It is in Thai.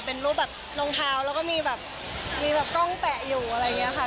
เป็นรูปแบบรองเท้าแล้วก็มีแบบมีแบบกล้องแปะอยู่อะไรอย่างนี้ค่ะ